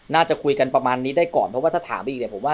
น่าจะคุยกันประมาณนี้ได้ก่อนเพราะถ้าถามไปอีก